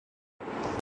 دل لگا کر پڑھائی کرو